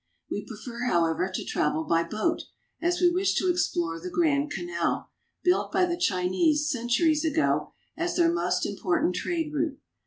We prefer, however, to travel by boat, as we wish to explore the Grand Canal, built by the Chinese centuries ago as their most important trade route.